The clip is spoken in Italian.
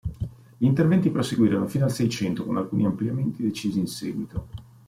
Gli interventi proseguirono fino al Seicento, con alcuni ampliamenti decisi in seguito.